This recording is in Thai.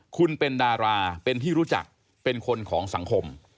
คุณเป็นดาราเป็นที่รู้จักเป็นคนของสังคม